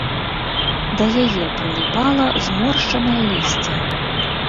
Да яе прыліпала зморшчанае лісце.